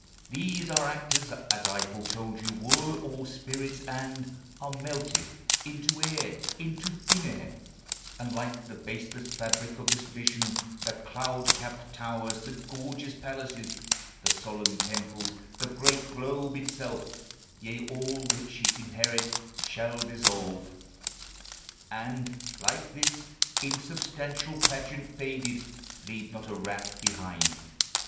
These our actors, As I foretold you, were all spirits, and Are melted into air, into thin air ; And, like the baseless fabric of this vision, The cloud capped towers, the gorgeous palaces, The solemn temples, the great globe itself, Yea, all which it inherit, shall dissolve, And, like this insubstantial pageant faded, Leave not a rack behind.